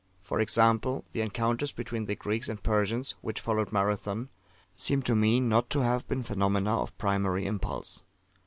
For example, the encounters between the Greeks and Persians, which followed Marathon, seem to me not to have been phenomena of primary impulse.